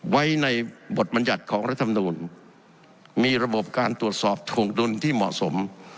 ไว้ในบทบรรยัติของรัฐมนูลมีระบบการตรวจสอบถวงดุลที่เหมาะสม